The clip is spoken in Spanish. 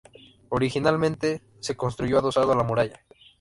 Originalmente se construyó adosado a la muralla.